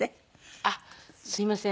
あっすいません。